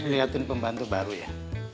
liatin pembantu baru ya